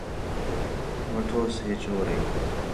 وٹھوس ہے چوریک